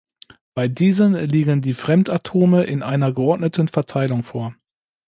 Bei diesen liegen die Fremdatome in einer geordneten Verteilung vor.